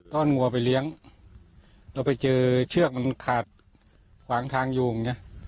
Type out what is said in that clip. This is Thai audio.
ต้อนวัวไปเลี้ยงเราไปเจอเชือกมันขาดขวางทางโยงเนี่ย